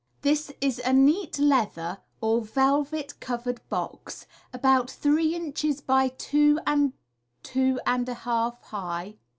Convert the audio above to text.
— This is a neat leather or velvet covered box, about three inches by two and two and a half high.